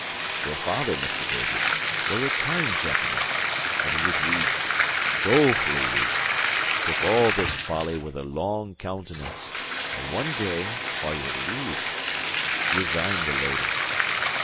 Your father, Mr. David, was a kind gentleman; but he was weak, dolefully weak; took all this folly with a long countenance; and one day by your leave! resigned the lady.